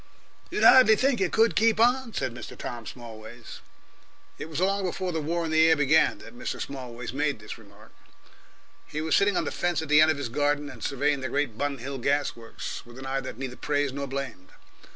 "You'd hardly think it could keep on," said Mr. Tom Smallways. It was along before the War in the Air began that Mr. Smallways made this remark. He was sitting on the fence at the end of his garden and surveying the great Bun Hill gas works with an eye that neither praised nor blamed.